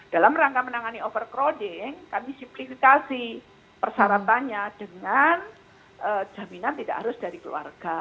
dalam rangka menangani overcrowding kami simplifikasi persyaratannya dengan jaminan tidak harus dari keluarga